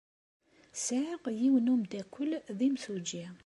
Sɛiɣ yiwen n umeddakel d imsujji.